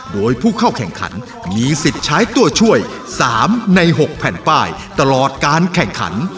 โดยผู้เข้าแข่งขันมีสิทธิ์ใช้ตัวช่วย๓ใน๖แผ่นป้ายตลอดการแข่งขัน